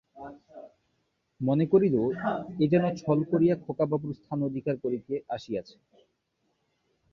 মনে করিল, এ যেন ছল করিয়া খোকাবাবুর স্থান অধিকার করিতে আসিয়াছে।